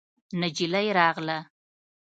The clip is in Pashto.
نجلۍ راغله.